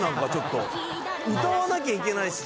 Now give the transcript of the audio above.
歌わなきゃいけないし。